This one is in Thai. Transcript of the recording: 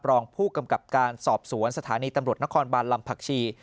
รองผู้กำกับการสอบสวนสถานีตำรวจนครบานลำผักชี